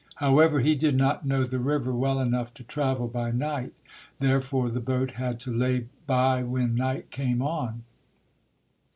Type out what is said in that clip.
However, he did not know the river well enough to travel by night; therefore the boat had to lay by when night came on.